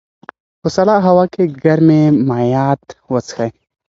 په سړه هوا کې ګرمې مایعات وڅښئ.